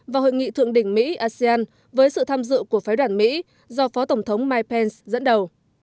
và hội nghị thượng đỉnh mỹ asean với sự tham dự của phái đoàn mỹ do phó tổng thống mike pence dẫn đầu